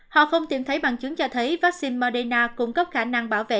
họ không tìm thấy bằng chứng cho thấy vắc xin moderna cung cấp khả năng bảo vệ